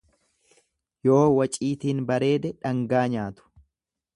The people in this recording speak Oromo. Yoo waciitiin bareede dhangaa nyaatu.